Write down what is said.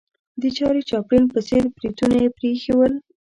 د چارلي چاپلین په څېر بریتونه یې پرې ایښې ول.